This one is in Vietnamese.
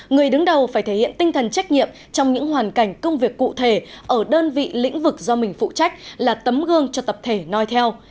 người đứng đầu phải thể hiện tinh thần trách nhiệm trong những hoàn cảnh công việc cụ thể ở đơn vị lĩnh vực do mình phụ trách là tấm gương cho tập thể nói theo